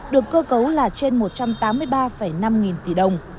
được cơ cấu là trên một trăm tám mươi ba năm nghìn tỷ đồng